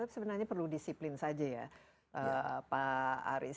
sebenarnya perlu disiplin saja ya pak aris